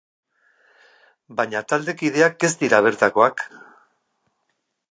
Baina taldekideak ez dira bertakoak.